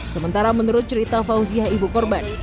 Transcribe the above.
sementara menurut cerita fauziah ibu korban